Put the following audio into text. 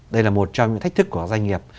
đây là một trong những thách thức của doanh nghiệp